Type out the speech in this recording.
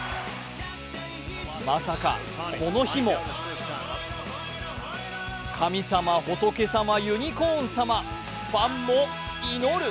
まさかこの日も神様仏様ユニコーン様、ファンも祈る！